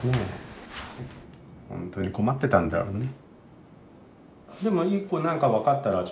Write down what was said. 本当に困ってたんだろうね。